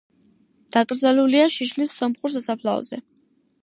დაკრძალულია შიშლის სომხურ სასაფლაოზე.